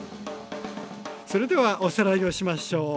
それではおさらいをしましょう。